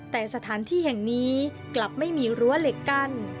แต่สถานที่แห่งนี้กลับไม่มีรั้วเหล็กกั้น